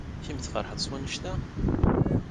Kemm tfeṛḥeḍ s wanect-a?